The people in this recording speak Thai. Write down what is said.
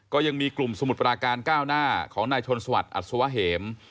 ก็ยังมีกลุ่มสมุทรปราการก้าวหน้าของนายชนสวัสดิอัศวะเหม